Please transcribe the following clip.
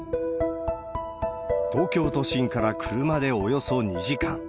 東京都心から車でおよそ２時間。